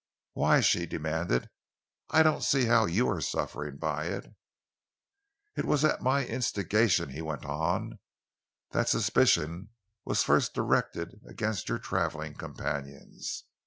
"Why?" she demanded. "I don't see how you are suffering by it." "It was at my instigation," he went on, "that suspicion was first directed against your travelling companions.